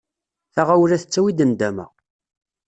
Taɣawla tettawi-d nndama.